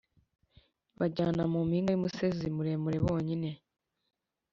bajyana mu mpinga y’umusozi muremure bonyine